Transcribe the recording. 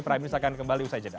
prime news akan kembali usai jeda